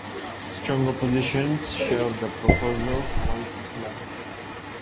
Strong oppositions shelved the proposal once more.